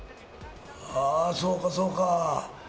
あー、そうかそうか。